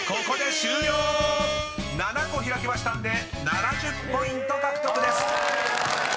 ７個開きましたんで７０ポイント獲得です］